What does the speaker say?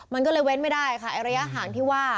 มันก็เลยเว้นไม่ได้ค่ะไอ้ระยะห่างที่ว่า